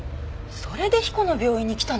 それで彦の病院に来たのかな？